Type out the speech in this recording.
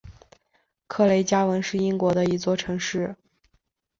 克雷加文是英国的一座城市。